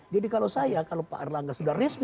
jadi kalau saya kalau pak erlangga sudah resmi